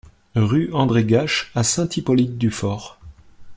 Rue André Gaches à Saint-Hippolyte-du-Fort